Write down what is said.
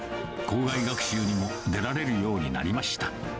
校外学習にも出られるようになりました。